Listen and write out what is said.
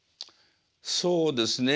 そうですね。